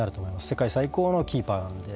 世界最高のキーパーなんで。